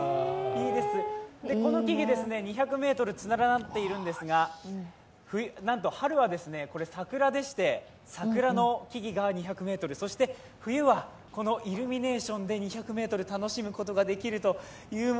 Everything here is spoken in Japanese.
この木々、２００ｍ連なっているんですが、なんと春は、これ桜でして、桜の木々が２００ｍ、そして冬はこのイルミネーションで２００ｍ楽しめるんです。